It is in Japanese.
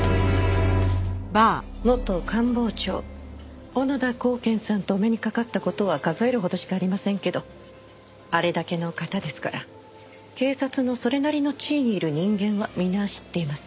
元官房長小野田公顕さんとお目にかかった事は数えるほどしかありませんけどあれだけの方ですから警察のそれなりの地位にいる人間は皆知っています。